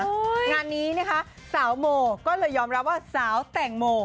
งานนี้นะคะสาวโมก็เลยยอมรับว่าสาวแตงโม